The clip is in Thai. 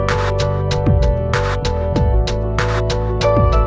ด้านนี้ว่าไงขับเข้ามา